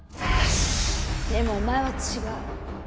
でもお前は違う。